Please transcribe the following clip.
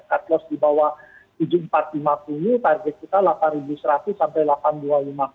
cut loss di bawah tujuh ribu empat ratus lima puluh target kita delapan ribu seratus sampai delapan ribu dua ratus lima puluh